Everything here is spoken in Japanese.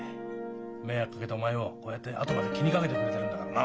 迷惑かけたお前をこうやってあとまで気にかけてくれてるんだからな。